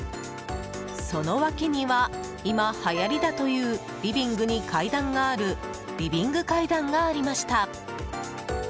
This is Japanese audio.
その脇には今はやりだというリビングに階段があるリビング階段がありました。